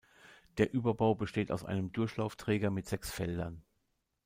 Der Überbau besteht aus einem Durchlaufträger mit sechs Feldern.